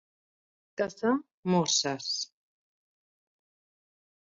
Caçà morses.